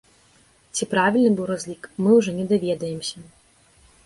Ці правільны быў разлік, мы ўжо не даведаемся.